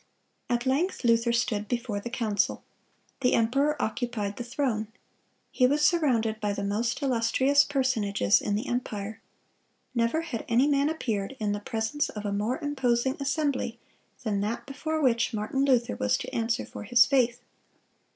(213) At length Luther stood before the council. The emperor occupied the throne. He was surrounded by the most illustrious personages in the empire. Never had any man appeared in the presence of a more imposing assembly than that before which Martin Luther was to answer for his faith.